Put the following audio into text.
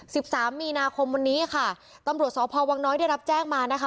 สิบสามมีนาคมวันนี้ค่ะตำรวจสพวังน้อยได้รับแจ้งมานะคะ